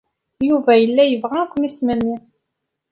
Yuba yella yebɣa ad ken-yesmemmi.